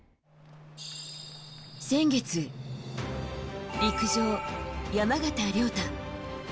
先月陸上、山縣亮太。